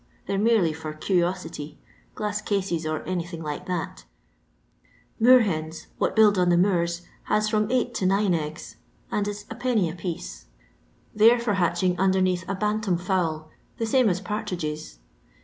they're merely for cQr'oaity— ^asi casss or anything like that Moor heiis, wot build on the moora, has from eight to nine etgs^ and is Id. a piece ; they 're for hatching miMnicatk a bantam fowl, the same as partridgta.